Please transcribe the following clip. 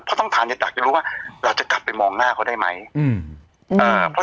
เพราะต้องทานในตักจะรู้ว่าเราจะกลับไปมองหน้าเขาได้ไหมอืมอ่า